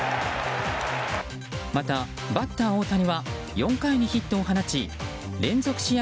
また、バッター大谷は４回にヒットを放ち連続試合